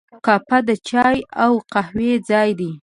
کافه د چای او قهوې ځای دی.